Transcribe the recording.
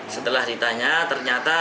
setelah ditanya ternyata